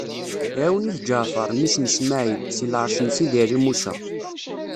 Iɛawen-it Ǧeɛfeṛ, mmi-s n Smaɛil, si lɛeṛc n Sidi Ɛli Musa.